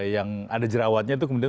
yang ada jerawatnya itu kemudian